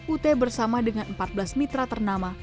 ut bersama dengan empat belas mitra ternama